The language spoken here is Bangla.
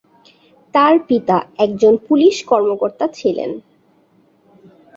তার পিতা একজন পুলিশ কর্মকর্তা ছিলেন।